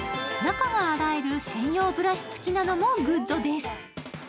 中が洗える、専用ブラシ付きなのも大人気なんです。